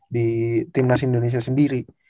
di tim nas indonesia sendiri